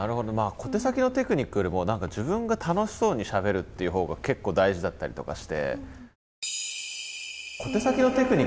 小手先のテクニックよりも何か自分が楽しそうにしゃべるっていうほうが結構大事だったりとかして。